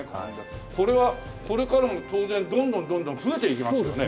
これはこれからも当然どんどんどんどん増えていきますよね。